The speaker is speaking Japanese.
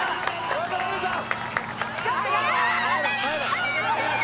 渡邊さん！